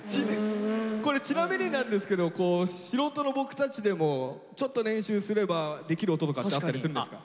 これちなみになんですけど素人の僕たちでもちょっと練習すればできる音とかってあったりするんですか？